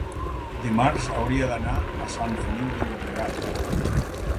dimarts hauria d'anar a Sant Feliu de Llobregat.